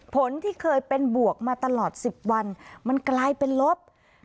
ผลที่เคยเป็นบวกมาตลอด๑๐วันมันกลายเป็นลบ